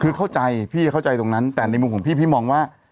คือเข้าใจพี่เข้าใจตรงนั้นแต่ในมุมของพี่พี่มองว่า